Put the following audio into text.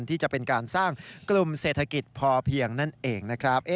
ที่จะเป็นการสร้างกลุ่มเศรษฐกิจพอเพียงนั่นเองนะครับ